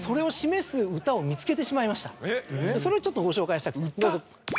見つけてしまいましたそれをちょっとご紹介したくて。